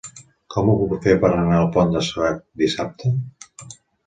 Com ho puc fer per anar al Pont de Suert dissabte?